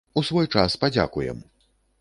У свой час падзякуем!